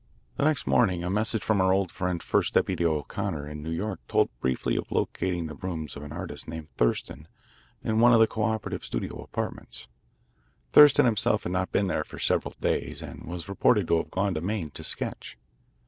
The next morning a message from our old friend First Deputy O'Connor in New York told briefly of locating the rooms of an artist named Thurston in one of the co operative studio apartments. Thurston himself had not been there for several days and was reported to have gone to Maine to sketch.